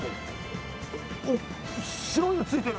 あっ白いの付いてる。